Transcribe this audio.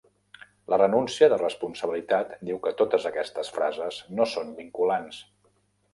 La renúncia de responsabilitat diu que totes aquestes frases no són vinculants.